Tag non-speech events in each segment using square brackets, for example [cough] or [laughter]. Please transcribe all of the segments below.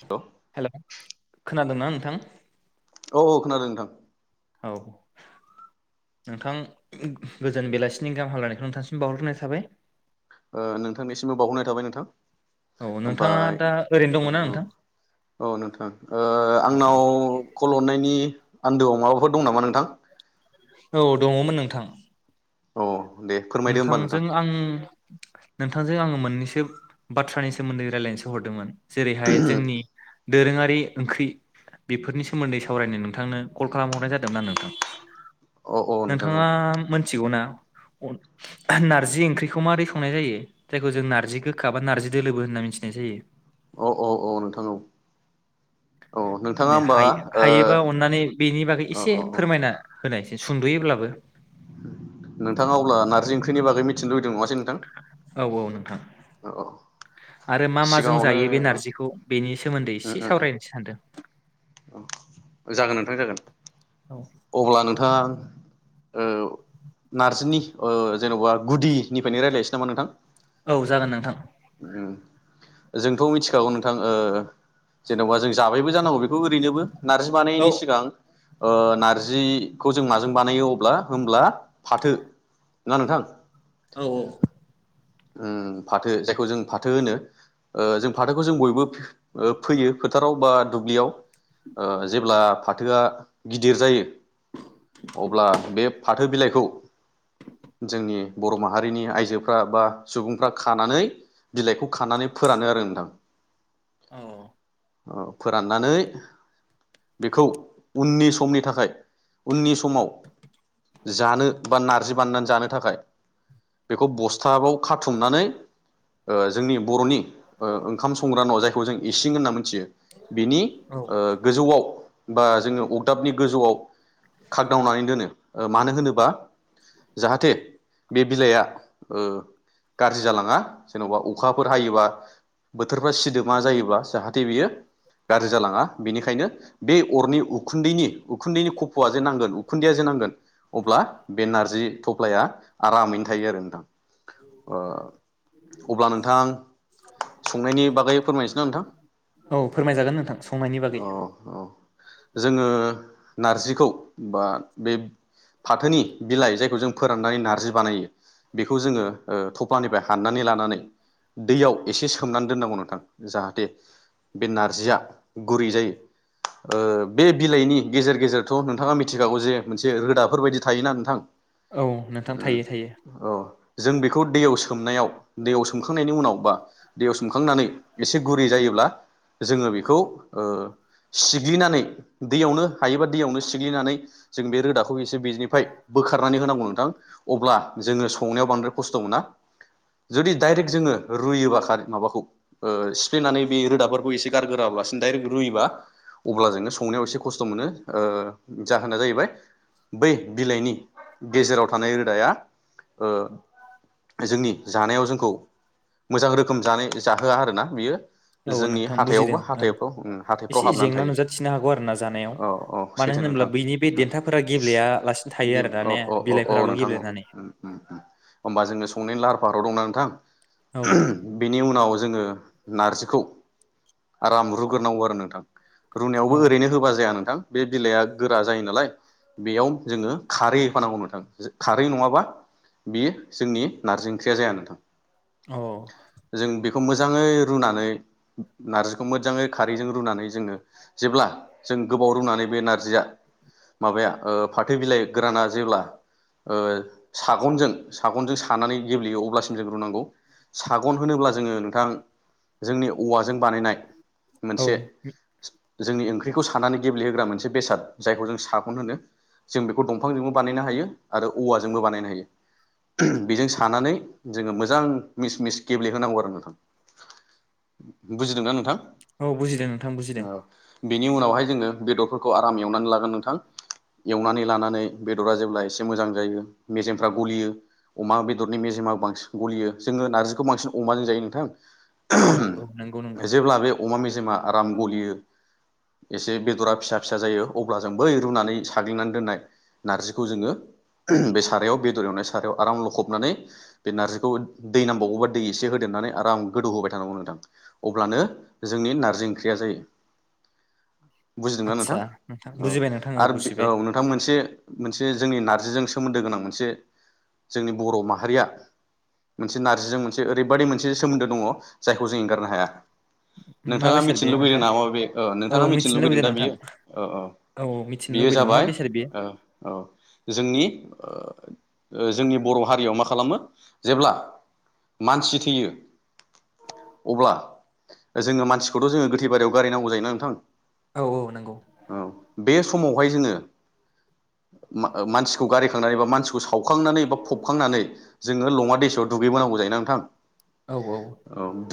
हेल' hello खोनादोंना नोंथां? औ औ खोनादों नोंथां। औ नोंथां गोजोन बेलासिनि गाहाम हामलायनायखौ नोंथांसिम बावहरग्रोनाय थाबाय। ओ नोंथांनिसिमबो बावहरनाय थाबाय नोंथां औ ‌। नोंथाङा ओमफाय दा ओरैनो दङना औ औ, नोंथां औ नोंथां औ आंनाव कल हरनायनि। आन्दोआव माबाफोर दं नामा नोंथां? औ दङ'मोन नोंथां। औ। दे फोरमायदो होमबा नोंथांजों नोंथां आं नोंथां- जों आङो मोननैसो बाथ्रानि सोमोन्दै रायलायनोसो हरदोंमोन। जेरैहाय जोंनि‌ दोरोङारि ओंख्रि बेफोरनि सोमोन्दै सावरायनो नोंथांनो कल खालामहरनाय जादोंमोन आरो नोंथां। औ औ नोंथां नोंथाङा औ मोन- [unintelligible] नारजि ओंख्रिखौ माबोरै संनाय जायो जायखौ जों नार्जि गोखा बा नार्जि दोलोबो होनना मिथिनाय जायो? औ औ औ नोंथां औ। औ नोंथाङा [unintelligible] होमबा ओ हायोबा अननानै बेनि बागै अ एसे अ अ फोरमायना। होनायसै सुंद'योब्लाबो। नोंथाङ अब्ला नारजि ओंख्रिनि बागै मिथिनो [unintelligible] नङा [unintelligible] औ औ नोंथां। औ आरो मा माजों सिगाङावनो जायो बे ओ नारजिखौ बेनि सायाव। सोमोन्दै उम एसे उम सावरायनोसो सान्दों। [unintelligible] जागोन नोंथां जागोन। औ अब्ला नोंथांआ, ओ नारजिनि ओ जेन'बा गुदिनिफ्रायनो रायज्लायनोसै नामा नोंथां? औ जागोन नोंथां उम जोंथ' मिथिखागौ नोंथां ओ जेन'बा जों जाबायबो जानांगौ बेखौ ओरैनोबो नार्जि औ बानायैनि सिगां ओ [unintelligible] [unintelligible] जों न माजों बानायो अब्ला होमब्ला फाथो ना नोंथां औ औ ओम फाथो जायखौ जों फाथो होनो जों ओ फाथोखौ जों बयबो फैयो फोथाराव बा दुब्लियाव जेब्ला फाथोआ गिदिर जायो अब्ला बे फाथो बिलाइखौ जोंनि बर' माहारिनि आइजोफ्रा बा सुबुंफ्रा खानानै बिलाइखौ खानानै फोरानो आरो नोंथां औ औ फोराननानै बेखौ उननि समनि थाखाय उननि समाव जानो बा नारजि बानायनानै जानो थाखाय बेखौ बस्थाबाव खाथुमनानै जोंनि बर'नि ओ ओंखाम संग्रा न' जायखौ जों इसिं होनना मिथियो बिनि औ गोजौआव बा जोङो अगदाबनि गोजौआव खागदावनानै दोनो मानो होनोबा जाहाथे बे बिलाइआ ओ गाज्रि जालाङा जेन'बा अखाफोर हायोबा [unintelligible] [unintelligible] सिदोमा जायोब्ला जाहाथे [unintelligible] बियो गाज्रि जालाङा बेनिखायनो बे अरनि उखुन्दैनि उखुन्दैनि [unintelligible] जे नांगोन उखुन्दैया जे नांगोन अब्ला बे नारजि थफ्लाया आरामैनो थायो आरो नोंथां ओ अब्ला नोंथां संनायनि बागै फोरमायनोसै ना नोंथां औ फोरमायजागोन नोंथां संनायनि बागै औ औ जोङो नारजिखौ [unintelligible] बे फाथोनि बिलाइ जायखौ जों फोराननानै नार्जि बानायो बेखौ जोङो थफ्लानिफ्राय हाननानै लानानै दैयाव एसे सोमनानै दोननांगौ नोंथां जाहाथे बे नारजिया गुरै जायो बे बिलाइनि गेजेर गेजेर [unintelligible] नोंथाङा मिथिखागौ जे मोनसे रोदाफोरबायायदि थायोना नोंथां औ नोंथां उम थायो थायो औ जों बेखौ दैयाव [unintelligible] सोमनायाव दैयाव सोमखांनायनि उनाव बा दैयाव सोमखांनानै एसे गुरै जायोब्ला जोङो बेखौ ओ सिग्लिनानै दैयावनो हायोबा दैयावनो सिग्लिनानै जों बे रोदाखौ एसे बेनिफ्राय बोखारनानै होनांगौ नोंथां अब्ला जोङो संनायाव बांद्राय खस्थ' मोना जुदि डाइरेक्ट जोङो रुयोबा माबाखौ सिफ्लेनानै बे रोदाफोरखौ एसे गारगोराब्लासिनो दडाइरेक्ट रुयोबा अब्ला जोङो संनायाव एसे खस्थ' मोनो जाहोना जाहैबाय बै बिलाइनि गेजेराव थानाय रोदाया जोंनि जानायाव जोंखौ मोजां रोखोम जानाय जाहोआ आरोना बियो औ जोंनि नोंथां बुजिदों हाथायावबो ओं हाथायफ्राव उम एसे हाथायफ्राव हाबनानै जेंना थायो नुजाथिनो औ औ सैथो नोंथां ब्ला बैनि बे देनथाफोरा गेब्लेया लासिनो थायो आरोना औ ने औ औ औ बिलाइफोराल' नोंथां औ गेब्लेनानै बाराव दंना नोंथां औ बेनि उनाव जोङो नारजिखौ आराम रुग्रोनांगौ आरो नोंथां रुनायावबो औ ओरैनो होबा जाया नोंथां बे बिलाइआ गोरा जायो नालाय बेयाव जोङो खारै होफानांगौ नोंथां खारै नङाबा बेयो जोंनि नारजि ओंख्रिया जाया नोंथां औ खौ मोजाङै रुनानै नारजि खौ मोजाङै खारैजों रुनानै जोङो जेब्ला जों गोबाव रुनानै बे नारजिया माबाया ओ फाथो बिलाइ गोराना जेब्ला ओ सागनजों सागनजों सानानै गेब्लेयो अब्लासिम जों रुनांगौ। सागन होनोब्ला जोङो नोंथां जोंनि औवाज जों बानायनाय औ मोनसे जोंनि ओंख्रिखौ सानानै गेब्लेहोग्रा मोनसे बेसाद जायखौ जों सागन होनो। जों बेखौ दंफांजोंबो बानायनो हायो आरो औवाजोंबो बानायनो हायो। ओहोम बेजों सानानै जोङो मोजां मिस मिस गेब्लेहोनांगौ आरो नोंथां। बुजिदोंनाा नोंथां? औ बुजिदों नोंथां बुजिदों। बिनि उनावहाय जोङो बेदरफोरखौ आराम एवनानै लागोन नोंथां। एवनानै लानानै बेदरा जेब्ला एसे मोजां जायो मेजेमफ्रा गलियो अमा बेदरनि मेजेमा बांसिन गलियो जोङो नारजिखौ बांसिन अमाजों जायो नोंथां। औ औ नंगौ ओहोम नंगौ जेब्ला बे अमा मेजेमा आराम गलियो एसे बेदरा फिसा फिसा जायो अब्ला जों बै रुनानै साग्लिनानै दोन्नाय नारजिखौ जोङो ओहोम बे सारायाव बेदर एवनाय सारायाव आराम लखबनानै बे नार्जिखौ दै नांबावगौबा दै एसे होदेरनानै आराम गोदौ होबाय थानांगौ नोंथां। अब्लानो जोंनि नारजि ओंख्रिया जायो। बुजिदोंना नोंथां? आदसा नोंथां औ बुजिबाय नोंथां आरो बि औ बुजिबाय नोंथांमोन मोनसे मोनसे जोंनि नार्जिजों सोमोन्दो गोनां मोनसे जोंनि बर' माहारिया मोनसे नारजिजों मोनसे ओरैबादि मोनसे सोमोन्दो दङ जायखौ जों एंगारनो हाया। मा नोंथाङा बेसाद बे मिथिनो लुबगैदों नोंथां नामा बे ओ औ नोंथाङा मिथिनो लुुबैदों लुबैदों दा नोंथां बियो ओ औ। औ मिथिनो बेयो लुबैदों मा जाबाय बेसाद बेयो औ औ जोंनि ओ जोंनि बर' हारियाव मा खालामो जेब्ला मानसि थैयो अब्ला जोङो मानसिखौथ' जोङो गोथै बारियाव गारहैनांगौ जायोना नोंथां। औ औ नंगौ। औ बे समावहाय जोङो मा-मानसिखौ गारहैखांनानै बा मानसिखौ सावखांनानै बा फबखांनानै जोङो लङा दैसायाव दुगैबोनांगौ जायो ना नोंथां। औ औ।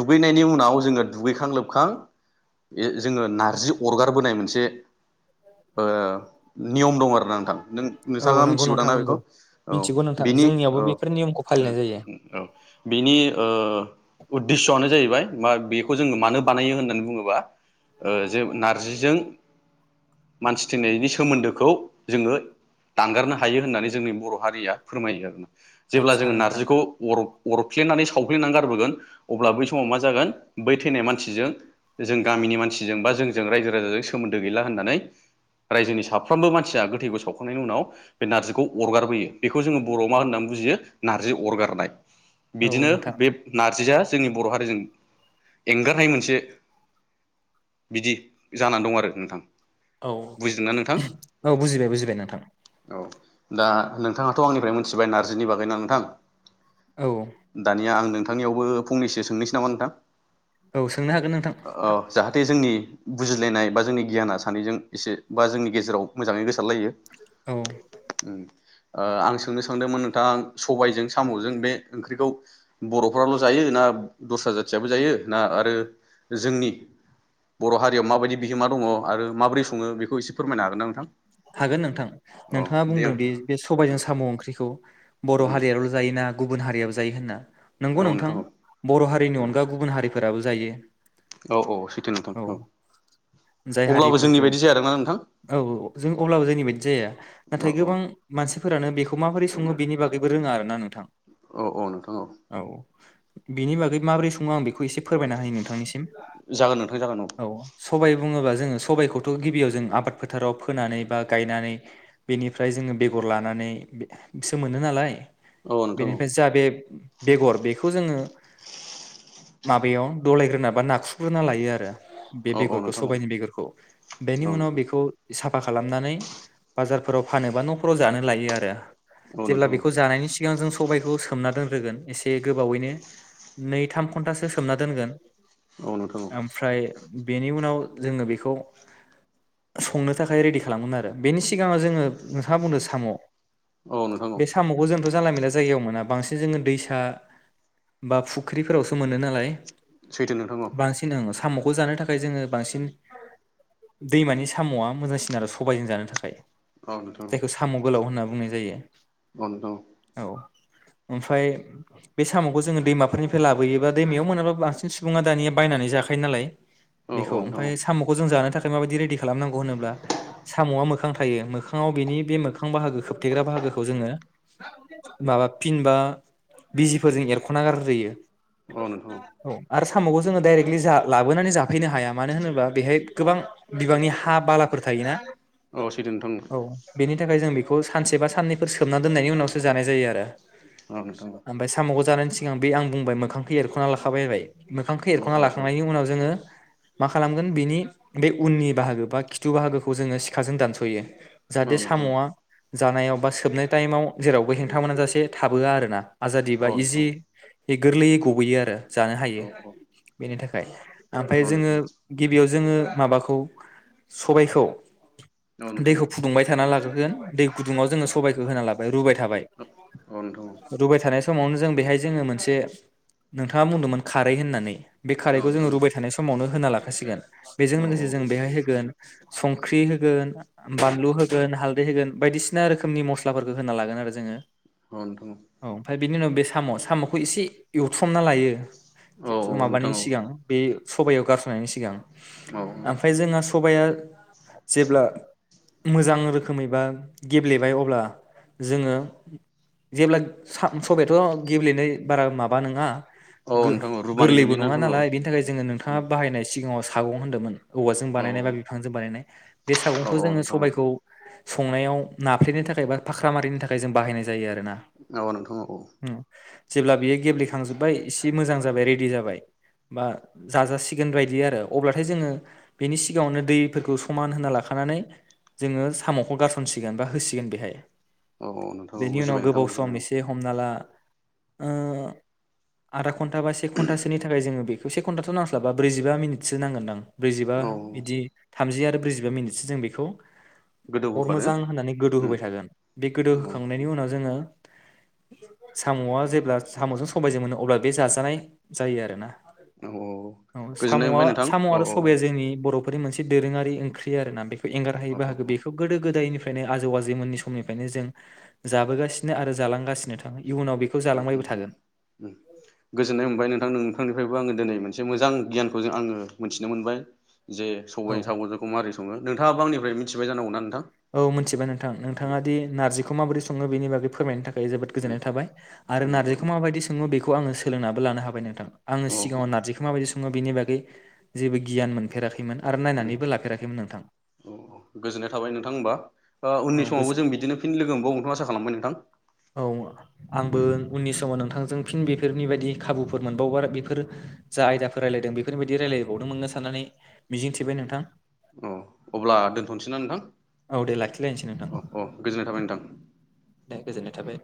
दुगैनायनि उनाव जोङो दुगैखां लोबखां ए जोङो नारजि अरगारबोनाय मोनसे ओ नियम दं आरोना नोंथां। औ नों-नोंथाङा नंगौ मिथिगौदां नोंथां ना बेखौ नंगौ औ मिथिगौ नोंथां बिनि जोंनियावबो औ बेफोर नियमखौ उम फालिनाय जायो औ बिनि ओ उद्दिस'आनो जायहैब [unintelligible] बेखौ जोङो मानो बानायो होननानै बुङोबा ओ जे नारजिजों मानसि थैनायनि सोमोन्दोखौ जोङो दानगारनो हायो होननानै जोंनि बर' हारिया फोरमायो आरोना। जेब्ला आदसा जोङो नोंथां नारजिखौ अरफ अरफ्लेनानै सावफ्लेनानै गारबोगोन अब्ला बै समाव मा जागोन बै थैनाय मानसिजों जों गामिनि मानसिजों बा जोंजों रायजो राजाजों सोमोन्दो गैला होननानै रायजोनि साफ्रोमबो मानसिया गोथैखौ सावखांनायनि उनाव बे नारजिखौ अरगारबोयो बेखौ जोङो बर'आव मा होननानै बुजियो नारजि अरगारनाय। औ बिदिनो नोंथां बे नारजिया जोंनि बर' हारिजों एंगारहायै मोनसे बिदि जानानै दं आरो नोंथां। औ औ बुजिदोंना नोंथां ओहोम औ बुजिबाय बुजिबाय नोंथां। औ दा नोंथाङाथ' आंनिफ्राय मिथिबाय नार्जिनि बागैना नोंथां। औ दानिया आं नों नोंथांनियावबो फंनैसो सोंनोसै नामा नोंथां? औ सोंनो हागोन नोंथां। औ जाहाथे जोंनि बुजिलायनाय बा जोंनि गियाना सानैजों एसे बा जोंनि गेजेराव मोजाङै गो लायो औ उम। ओ आं सोंनो सोंदोंमोन नोंथां सबाइजों साम'जों बे ओंख्रिखौ बर'फ्राल' जायो ना दस्रा जाथियाबो जायो ना आरो जोंनि बर' हारियाव माबायदि बिहोमा दङ' आरो माबोरै सङो बेखौ एसे फोरमायनो हागोन ना नोंथां? हागोन नोंथां औ नोंथाङा दे औ बुंदोंदि बे सबाइजों साम' ओंख्रिखौ बर' हारियाल' जायोना गुबुन हारियाबो जायो होनना नोंगौ नोंथां बर' हारिनि अनगा गुबुन हारिफोराबो जायो। औ औ सैथो नोंथां औ। जाय अब्लाबो हारिफोरखौ जोंनि बायदि जाया आरो ना नोंथां। औ अब्लाबो जोंनि बायदि जाया। औ नाथाय औ गोबां मानसिफोरानो बेखौ माबोरै सङो बिनि बागैबो रोङा आरो ना नोंथां। औ औ नोंथां औ। बिनि बागै माबोरै सङो आं बे खौ इसे फोरमायना होनि नोंथांनिसिम। जागोन नोंथां जागोन औ सबाय बुङोबा जोङो सबायखौथ' गिबियाव जों आबाद फोथाराव फोनानै बा गायनानै बेनिफ्राय जोङो बेगर लानानै सो मोनो नालाय। औ नोंथां औ बेनिफ्राय जा बे बेगर बेखौ जोङो माबेयाव गलायग्रोना बा नाखुग्रोना लायो आरो बे औ औ बेगरखौ नोंथां औ सबायनि बेगरखौ। बेनि औ उनाव नोंथां बेखौ साफा खालामनानै बाजारफोराव फानोबा न'फोराव जानो लायो आरो औ जेब्ला नोंथां बेखौ जानायनि सिगां जों सबायखौ सोमना दोन ग्रोगोन एसे गोबावैनो नै थाम घन्टासो सोमना दोनगोन। औ नोंथां ओमफ्राय बेनि उनाव जोङो बेखौ संनो थाखाय रेडि खालामगोन आरो बेनि सिगाङाव जोङो नोंथाङा बुंनो साम' औ नोंथां औ। बो जानला मोनला जायगायाव मोना। बांसिन जोङो दैसा बा फुख्रिफोरावसो मोनो नालाय। सैथो नोंथां औ बांसिन ओं साम' खौ जानो थाखाय जोङो बांसिन दैमानि साम'आ मोजांसिन आरो सबायजों जानो थाखाय। औ नोंथां औ जायखौ साम' गोलाव होनना बुंनाय जायो। औ नोंथां औ औ ओमफ्राय बे साम'खौ जोङो दैमाफोरनिफ्राय लाबोयोबा दैमायाव मोनाब्लाबो बांसिन सुबुङा दानिया बायनानै जाखायो नालाय औ औ बेखौ नोंथां ओमफाय साम'खौ जों जानो थाखाय माबायदि रेडि खालामनांगौ होनोब्ला साम'आ मोखां थायो मोखाङाव बेनि बे मोखां बाहागो खोबथेग्रा बाहागोखौ जोङो माबा फिनबा बिजिफोरजों एरख'ना गारग्रोयो। औ नोंथां औ आरो साम'खौ जोङो डरेक्टलि जा लाबोनानै जा फैनो हाया मानो होनोब्ला बेहाय गोबां बिबांनि हा बालाफोर थायोना? औ सैथो नोंथां औ बेनि थाखाय जों बे खौ सानसे बा साननैफोर सोमना दोननायनि औ नोंथां औ ओमफाय साम'खौ जानानै सिगां बे आं बुंबाय मोखांखौ एरख'ना लाखाबायबाय मोखांखौ औ एरख'ना लाखांनायनि उनाव जोङो मा खालामगोन बिनि बे उननि बाहागो बा खिथु बाहागोखौ जोङो सिखाजों दानस'यो। जाहाथे नोंथां साम'आ जानायाव बा सोबनाय टाइमाव जेरावबो हेंथा मोना जासे थाबोआ आरो ना आजादि औ नोंथां बा औ इजि नोंथां गोरलैयै गबोयो आरो जानो औ नोंथां हायो बेनि थाख [unintelligible] ओमफ्राय जोङो गिबियाव जोङो माबाखौ सबायखौ औ नोंथां औ नोंथां औ दैखौ फुदुंबाय थाना लागो दै गुदुुंआव जोङो सबायखौ होनानै लाबाय रुबाय थाबाय औ नोंथां औ नोंथां औ रुबाय थानाय स समावनो जों बेहाय जोङो मोनसे नोंथाङा बुंदोंमोन खारै होननानै बे खारैखौ जोङो रुबाय थानाय समावनो होना लाखासिगोन। बेजों लोगोसे जों बेहाय होगोन संख्रि होगोन बानलु होगोन हालदै होगोन बायदिसिना रोखोमनि मस्लाफोरखौ होना लागोन आरो जोङो। औ नोंथां औ बिनि उनाव बे साम' साम'खौ एसे एउथुब हमना लायो माबानि सिगां बे सबायाव गारसोननायनि सिगां औ ओमफ्राय जोङो [inaudible] जेब्ला मोजां रोखोमै बा गेब्लेबाय अब्ला जोङो जेब्ला सबायाथ' गेब्लेनाय बारा माबा नङा औ नोंथां औ रुबानो गोरलैबो गेब्लेयोना नङा नोंथां औ नालाय बिनि थाखाय जोङो नोंथाङा बाहायनाय सिगाङाव थागौ होनदोंमोन औवा औ बानायनाय बा बिफांजों बानायनाय बे सागंखौ औ जोङो नोंथां सबायखौ औ संनायाव नाफ्रेनो थाखाय बा फाख्रा मारिनि थाखाय जों बाहायनाय जायो जायो आरोना औ नोंथां औ जेब्ला बियो गेब्लेखांजोब्बाय एसे मोजां जाबाय रेडि जाबाय बा जाजासिगोन बायदि आरो अब्लाथाय जोङो बेनि सिगाङावनो दैफोरखौ समान होना लाखानानै जोङो साम'खौ गारसनसिगोन बा होसिगोन बेहाय औ नोंथां औ बेनि उनाव बुजिबाय नोंथां गोबाव सम बुजिबाय औ एसे हमना ला ओ [inaudible] घन्टा बा से घन्टासोनि थाखाय जोङो बे बे से घन्टाथ' नांस्लाबा ब्रैजिबा मिनिटसो नांगोन ब्रैजिबा औ बिदि थामजि आरो ब्रैजिबा मिनिटसो जों बेखौ गोदौ अर होबानो मोजां होननानै गोदौ उम होबाय थागोन बे गोदो औ होखांनायनि उनाव जोङो साम'आ जेब्ला साम'जों समबायजों मोनो अब्ला बे जाजानाय जायो आरोना औ गोजोननाय साम'आ मोनबाय नोंथां साम' औ आरो औ सबाया जोंनि बर'फोरनि मोनसे दोरोङारि ओंख्रि आरोना बेखौ एंगार औ हायो बाहागो औ बेखौ गोदो गोदायनि बेनो आजौ आजैमोननि समनिफ्रायनो जों जाबोगासिनो आरो जालांगासिनो थ [unintelligible] गोजोननाय मोनबाय नोंथां नोंथांनिफ्रायबो आङो दिनै मोनसे मोजां गियानखौ जों आङो मोनथिनो मोनबाय जे औ सबाइजों सामजोंखौ मोरै सङो नोंथाङाबो आंनिफ्राय मिथि सिनबाय जांगौ ना नोंथां औ मिथिबाय नोंथां नोंथाङा दि नारजिखौ माबोरै सं बिनि बागै फोरमायनो थाख थाखाय जोबोद उम गोजोन्नाय थाबाय आरो उम नारजिखौ माबायदि सङो बे बेखौ आङो सोलोंनाबो लानो हाबाय नोंथां। आङो औ सिगाङाव नारजिखौ माबायदि सङो बेनि बागै गै जेबो गियान मोनफेराखैमोन। आरो उम नायनानैबो लाफेराखैमोन नोंथां। औ गोजोननाय थाबाय नोंथां होमबा औ उननि समावबो गोजोन जों बिदिनो फिन लोगो मोनबावगोनखौ आसा खालामबाय नोंथां। औ उम आंबो उननि समाव नोंथांजों फिन बे बेफोरनि बायदि खाबुफोर मोनबावबा बेफोर जा आयदाफोर रायलायदों बेफोरनि बायदि रायलायबावनो मोनगोन साननानै मिजिंथिबाय नोंथां। अ अब्ला दोनथ'नोसै ना नोंथां? औ दे लाखिलायनोसै नोंथां अ ओ गोजोननाय थाबाय नोंथां। दे गोजोननाय थाबाय।